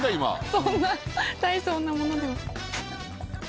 そんな大層なものでは。